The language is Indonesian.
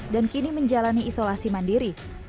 dan kini menjalani isolasi mandiri